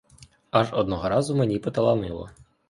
Аж одного разу мені поталанило.